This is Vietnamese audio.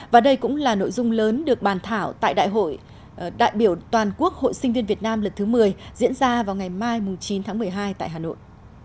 và đây cũng là nội dung lớn được bàn thảo tại đại biểu toàn quốc hội sinh viên việt nam lần thứ một mươi diễn ra vào ngày mai chín tháng một mươi hai tại hà nội